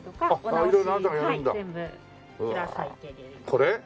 これ？